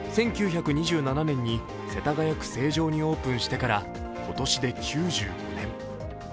１９２７年に世田谷区成城にオープンしてから今年で９５年。